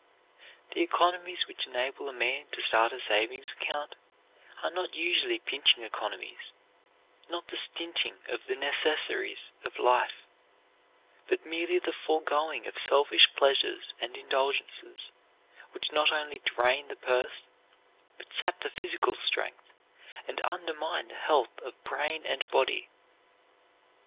The economies which enable a man to start a savings account are not usually pinching economies, not the stinting of the necessaries of life, but merely the foregoing of selfish pleasures and indulgences which not only drain the purse but sap the physical strength and undermine the health of brain and body.